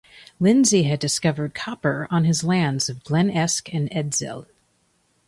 Lindsay had discovered copper on his lands of Glen Esk and Edzell.